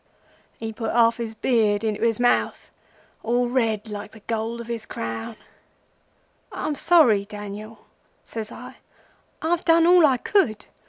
He put half his beard into his mouth, and it was as red as the gold of his crown. "'I'm sorry, Daniel,' says I. 'I've done all I could.